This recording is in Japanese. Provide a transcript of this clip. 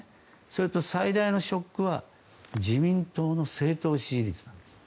それと最大のショックは自民党の政党支持率なんです。